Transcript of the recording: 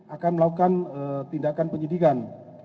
akan melakukan tindakan penyidikan